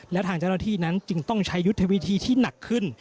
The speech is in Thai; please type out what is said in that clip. และทางเจ้าหน้าที่นั้นจึงต้องใช้ยุทธวิธีที่หนักขึ้น